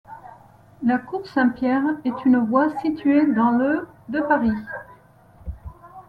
La cour Saint-Pierre est une voie située dans le de Paris.